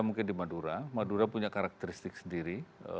mungkin di madura madura punya karakteristik sendiri